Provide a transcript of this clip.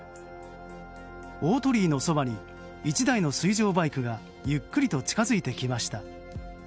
大鳥居のそばに１台の水上バイクがゆっくりと近づいてきました。